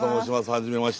はじめまして。